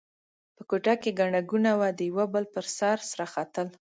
په کوټه کې ګڼه ګوڼه وه؛ د یوه بل پر سر سره ختل.